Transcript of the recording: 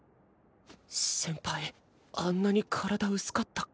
先輩あんなに体薄かったっけ？